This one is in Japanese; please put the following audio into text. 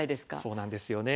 そうなんですよね。